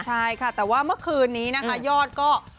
ใช่ค่ะแต่ว่าเมื่อคืนนี้นะคะยอดก็